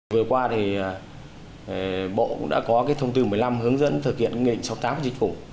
vừa qua thì bộ cũng đã có thông tư một mươi năm hướng dẫn thực hiện nghịnh sáu mươi tám của dịch vụ